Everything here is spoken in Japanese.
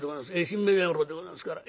新米の野郎でございますから。